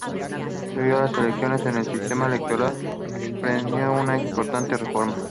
Previo a las elecciones, el sistema electoral experimentó una importante reforma.